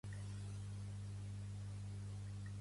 Els porcs són molt llestos, no entenc com ens els podem menjar